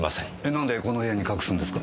なんでこの部屋に隠すんですか？